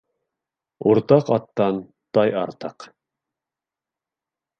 Уртаҡ аттан тай артыҡ.